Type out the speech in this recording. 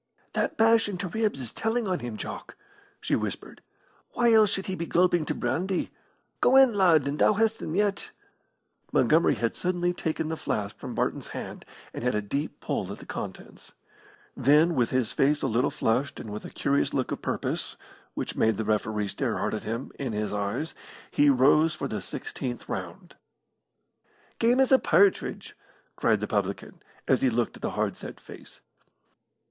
"That bash in t' ribs is telling on him, Jock," she whispered. "Why else should he be gulping t' brandy? Go in, lad, and thou hast him yet." Montgomery had suddenly taken the flask from Barton's hand, and had a deep pull at the contents. Then, with his face a little flushed, and with a curious look of purpose, which made the referee stare hard at him, in his eyes, he rose for the sixteenth round. "Game as a pairtridge!" cried the publican, as he looked at the hard set face.